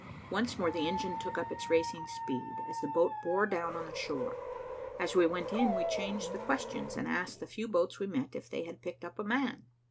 Once more the engine took up its racing speed, as the boat bore down on the shore. As we went in, we changed the questions, and asked the few boats we met if they had picked up a man.